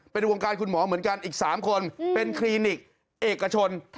เป็นวงการคุณหมอเหมือนกันอีก๓คนเป็นคลินิกเอกชน